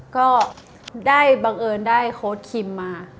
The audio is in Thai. ก็ได้บังเอิญได้โค้ดคิมมา